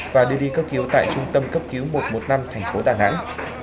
và đưa đi cấp cứu tại trung tâm cấp cứu một trăm một mươi năm thành phố đà nẵng